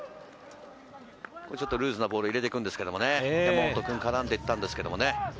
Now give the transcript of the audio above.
ちょっとルーズな分、ボールを入れていくんですけど、山本君、絡んでいったんですけどね。